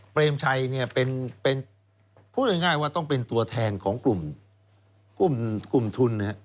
เปรมชัยเป็นพูดง่ายว่าต้องเป็นตัวแทนของกลุ่มทุน